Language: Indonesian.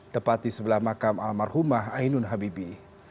tepat di sebelah makam almarhumah ainun habibi